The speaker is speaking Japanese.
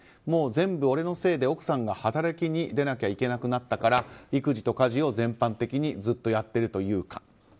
もう全部俺のせいで奥さんが働きに出なきゃいけなくなったから育児と家事を全般的にずっとやってるというか。